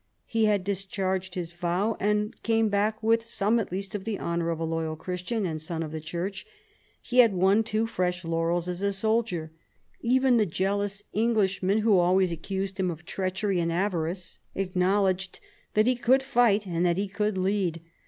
He had discharged his vow, and came back with some at least of the honour of a loyal Christian and son of the Church. He had won, too, fresh laurels as a soldier. Even the jealous Englishmen, who always accused him of treachery and avarice, acknowledged that he could fight and that he could lead.